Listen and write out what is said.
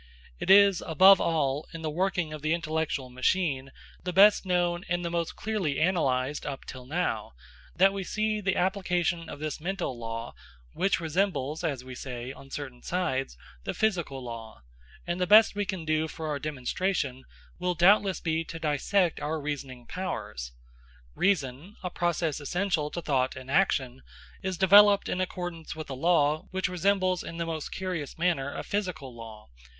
It is, above all, in the working of the intellectual machine, the best known and the most clearly analysed up till now, that we see the application of this mental law which resembles, as we say, on certain sides, the physical law: and the best we can do for our demonstration will doubtless be to dissect our reasoning powers. Reason, a process essential to thought in action, is developed in accordance with a law which resembles in the most curious manner a physical law.